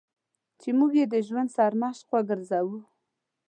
چې موږ یې د ژوند سرمشق وګرځوو.